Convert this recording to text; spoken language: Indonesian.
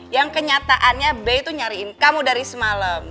yang kenyataannya bey tuh nyariin kamu dari semalam